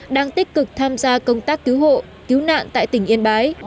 đang tích cực tham gia công tác cứu hộ cứu nạn tại tỉnh yên bái